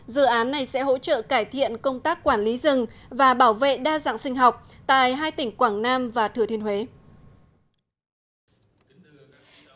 dự án này sẽ hỗ trợ cải thiện công tác quản lý rừng và bảo vệ đa dạng sinh học tại hai tỉnh quảng nam và thừa thiên huế